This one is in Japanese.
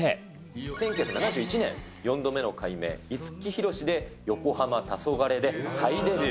１９７１年、４度目の改名、五木ひろしで、よこはま・たそがれで再デビュー。